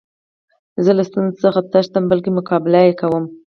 زه له ستونزو څخه تښتم؛ بلکي مقابله ئې کوم.